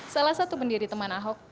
salah satu pendiri teman ahok